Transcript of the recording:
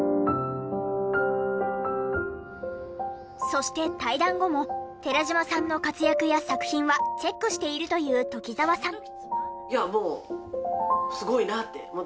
そして退団後も寺島さんの活躍や作品はチェックしているという鴇澤さん。